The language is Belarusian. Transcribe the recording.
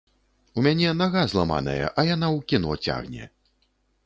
У мяне нага зламаная, а яна ў кіно цягне!